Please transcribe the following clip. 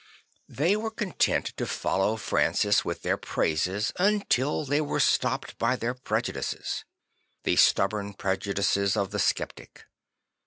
They were content to follow Francis with their praises until they were stopped by their prej udices; the stub born prej udices of the sceptic.